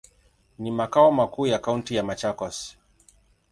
Ni makao makuu ya kaunti ya Machakos.